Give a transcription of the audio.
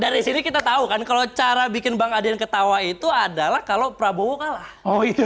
dari sini kita tahu kan kalau cara bikin bang adian ketawa itu adalah kalau prabowo kalah